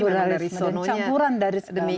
pluralisme dan campuran dari segala macam